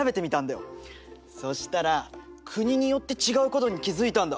そしたら国によって違うことに気付いたんだ。